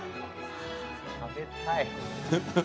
食べたい。